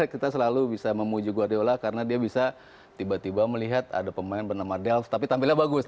kita selalu bisa memuju guardiola karena dia bisa tiba tiba melihat ada pemain bernama delf tapi tampilnya bagus